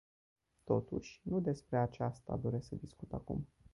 Totuși, nu despre aceasta doresc să discut acum.